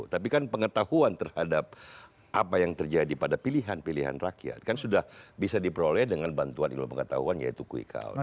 tapi kan pengetahuan terhadap apa yang terjadi pada pilihan pilihan rakyat kan sudah bisa diperoleh dengan bantuan ilmu pengetahuan yaitu quick count